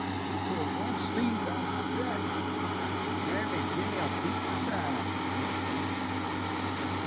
"He tore one sleeve out of my jacket, and mammy gimme a beatin' besides," giggled Dick.